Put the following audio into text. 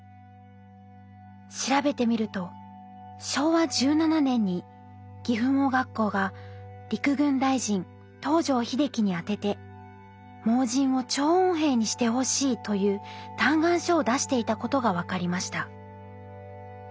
調べてみると昭和１７年に岐阜盲学校が陸軍大臣東條英機に宛てて「盲人を聴音兵にしてほしい」という嘆願書を出していたことが分かりました。